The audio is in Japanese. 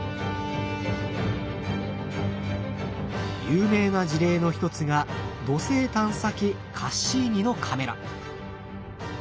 有名な事例の一つが土星探査機カッシーニのカメラ。